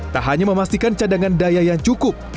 tak hanya memastikan cadangan daya yang cukup